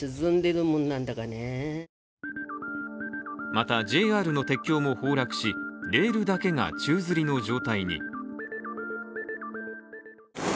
また、ＪＲの鉄橋も崩落しレールだけが宙づりの状態に。